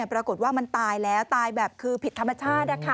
ปรากฏว่ามันตายแล้วตายแบบคือผิดธรรมชาติ